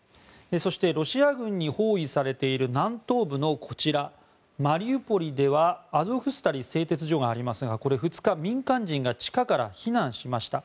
そしてロシア軍に包囲されている南東部のマリウポリにはアゾフスタリ製鉄所がありますが２日、民間人が地下から避難しました。